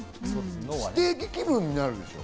ステーキ気分になるでしょ？